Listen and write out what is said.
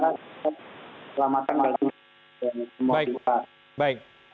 dan selamatkan wajib dari semua juta